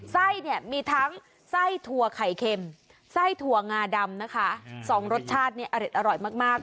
ไส้เนี่ยมีทั้งไส้ถั่วไข่เค็มไส้ถั่วงาดำนะคะสองรสชาติเนี่ยอร่อยมาก